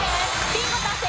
ビンゴ達成。